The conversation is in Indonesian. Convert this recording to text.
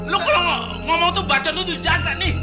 lo kalo ngomong tuh bacon tuh dijatah nih